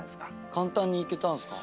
簡単にいけたんすか？